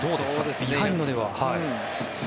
ビハインドでは。